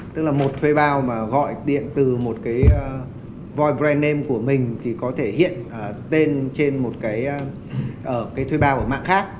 tức là một thuê bao mà gọi điện từ một cái void brand name của mình thì có thể hiện tên trên một cái thuê bao của mạng khác